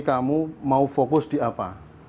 kamu mau fokus di apa